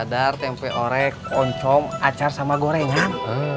cadar tempe orek koncom acar sama gorengan